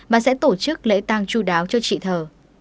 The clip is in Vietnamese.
mà sẽ tổ chức lễ tăng chú đáo cho chị thờ